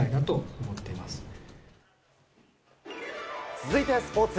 続いて、スポーツ。